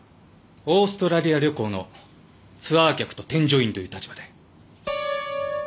オーストラリア旅行のツアー客と添乗員という立場で。